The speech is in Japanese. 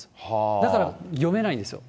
だから読めないんですよ。